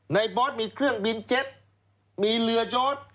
บอสมีเครื่องบินเจ็ตมีเรือยอด